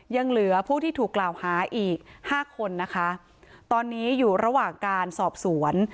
ยังเหลือผู้ที่ถูกกล่าวหาอีกห้าคนนะคะตอนนี้อยู่ระหว่างการสอบสวน